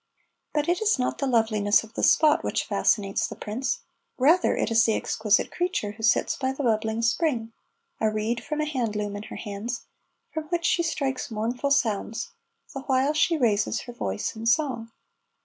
But it is not the loveliness of the spot which fascinates the prince; rather is it the exquisite creature who sits by the bubbling spring, a reed from a hand loom in her hands, from which she strikes mournful sounds, the while she raises her voice in song.